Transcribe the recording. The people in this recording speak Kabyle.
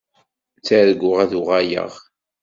Tterguɣ ad uɣaleɣ.